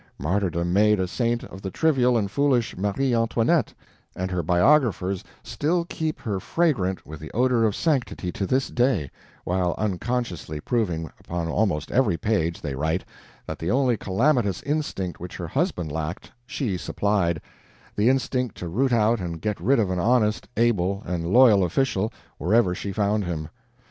Martyrdom made a saint of the trivial and foolish Marie Antoinette, and her biographers still keep her fragrant with the odor of sanctity to this day, while unconsciously proving upon almost every page they write that the only calamitous instinct which her husband lacked, she supplied the instinct to root out and get rid of an honest, able, and loyal official, wherever she found him.